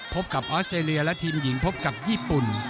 พบกับออสเตรเลียและทีมหญิงพบกับญี่ปุ่น